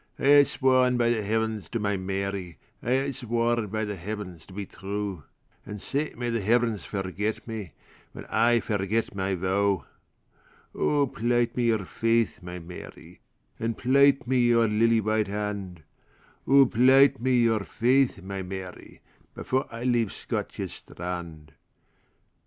I hae sworn by the Heavens to my Mary,I hae sworn by the Heavens to be true; And sae may the Heavens forget me, When I forget my vow!O plight me your faith, my Mary, And plight me your lily white hand;O plight me your faith, my Mary, Before I leave Scotia's strand.